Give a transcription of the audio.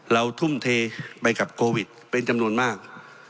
ทุ่มเทไปกับโควิดเป็นจำนวนมาก